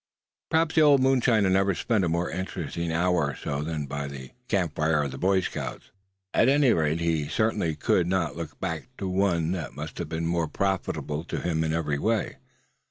Perhaps that old moonshiner never spent a more interesting hour or so than by the camp fire of the Boy Scouts; at any rate he certainly could not look back to one that must have been more profitable to him in every way.